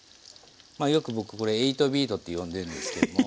よく僕これエイトビートって呼んでるんですけども。